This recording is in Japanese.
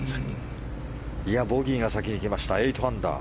ボギーが先に来ました８アンダー。